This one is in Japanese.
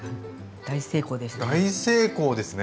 大成功ですね。